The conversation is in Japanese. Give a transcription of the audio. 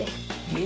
え⁉